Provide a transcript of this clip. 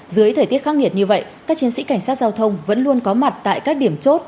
dưới thời tiết khắc nghiệt như vậy các chiến sĩ cảnh sát giao thông vẫn luôn có mặt tại các điểm chốt